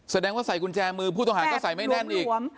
แสดงว่าใส่กุญแจมือผู้ต้องหาก็ใส่ไม่แน่นอีก